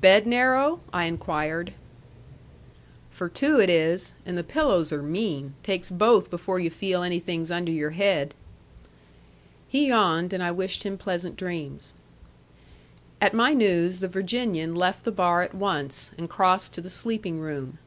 "Bed narrow?" I inquired. "For two it is. And the pillows are mean. Takes both before you feel anything's under your head." He yawned, and I wished him pleasant dreams. At my news the Virginian left the bar at once; and crossed to the sleeping room.